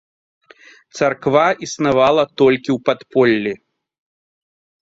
Царква існавала толькі ў падполлі.